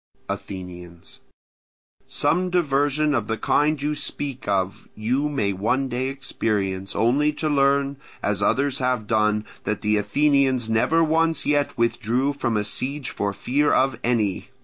Athenians. Some diversion of the kind you speak of you may one day experience, only to learn, as others have done, that the Athenians never once yet withdrew from a siege for fear of any.